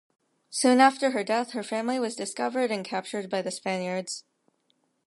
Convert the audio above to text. Soon after her death her family was discovered and captured by the Spaniards.